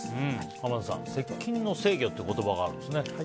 濱田さん、接近の制御って言葉があるんですね。